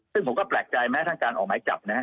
ซึ่งผมก็แปลกใจแม้ทั้งการออกหมายจับนะฮะ